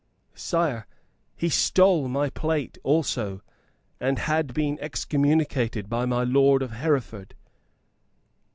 "Sire, he stole my plate also, and had been excommunicated by my lord of Hereford."